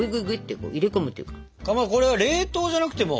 かまどこれは冷凍じゃなくても。